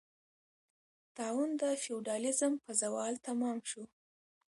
طاعون د فیوډالېزم په زوال تمام شو.